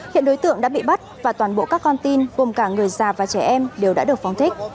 hiện đối tượng đã bị bắt và toàn bộ các con tin gồm cả người già và trẻ em đều đã được phóng thích